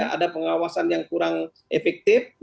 ada pengawasan yang kurang efektif